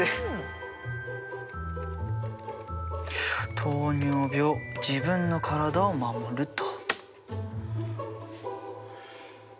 「糖尿病自分の体を守る」と。